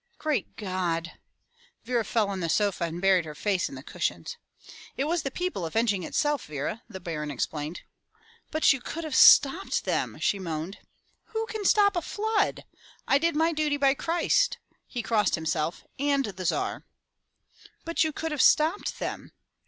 "Great God!" Vera fell on the sofa and buried her face in the cushions. ''It was the people avenging itself. Vera," the Baron explained. 207 MY BOOK HOUSE "But you could have stopped them/' she moaned. "Who can stop a flood? I did my duty by Christ/' he crossed himself, "and the Tsar/' "But you could have stopped them!''